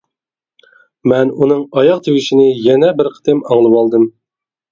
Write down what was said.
مەن ئۇنىڭ ئاياغ تىۋىشىنى يەنە بىر قېتىم ئاڭلىۋالدىم.